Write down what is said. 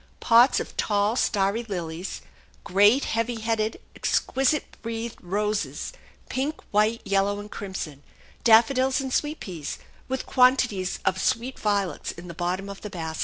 Pots of tall starry lilies, great, heavy headed, exquisite breathed roses, pink, white, yellow, and crimson; daffodils and sweet peas, with quantities of sweet violets in the bottom of the basket.